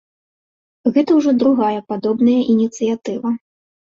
Гэта ўжо другая падобная ініцыятыва.